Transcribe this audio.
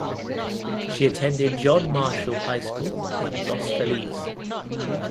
She attended John Marshall High School in Los Feliz.